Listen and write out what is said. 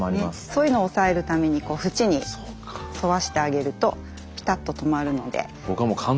そういうのを抑えるために縁に沿わしてあげるとピタッと止まるので。